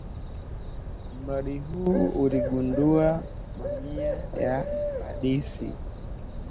Mradi huu uligundua mamia ya hadithi.